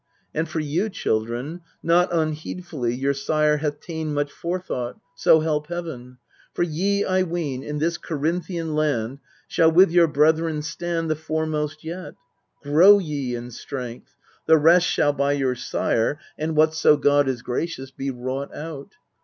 And for you, children, not unheedfully Your sire hath ta'en much forethought, so help Heaven. For ye, 1 ween, in this Corinthian land Shall with your brethren stand the foremost yet. Grow ye in strength : the rest shall by your sire, And whatso God is gracious, be wrought out.